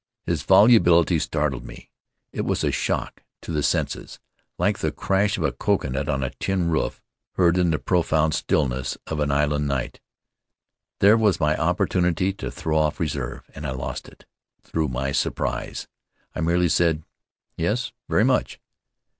His volubility startled me. It was a shock to the senses, like the crash of a coconut on a tin roof heard In the Cloud of Islands in the profound stillness of an island night. There was my opportunity to throw off reserve and I lost it through my surprise. I merely said, "Yes, very much."